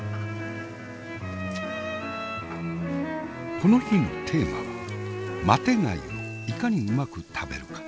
この日のテーマはマテ貝をいかにうまく食べるか。